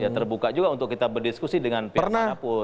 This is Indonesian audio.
terbuka juga untuk kita berdiskusi dengan pnp